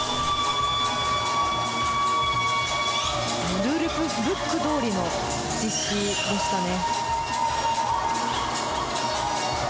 ルールブック通りの実施でしたね。